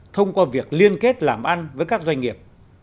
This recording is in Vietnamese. thông qua việc liên kết làm ăn với các doanh nghiệp